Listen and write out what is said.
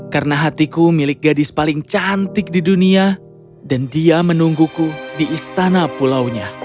karena hatiku milik gadis paling cantik di dunia dan dia menungguku di istana pulaunya